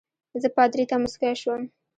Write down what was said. زه پادري ته مسکی شوم.